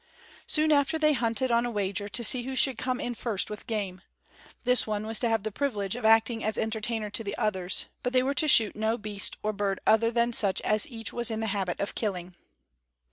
Soon after they hunted on a wager to see who should come in first with game. This one was to have the privilege of acting as entertainer to the others, but they were to shoot no other beast or bird than such as each was in the habit of killing.